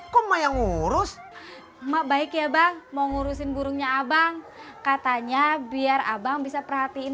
koma yang urus emak baik ya bang mau ngurusin burungnya abang katanya biar abang bisa perhatiin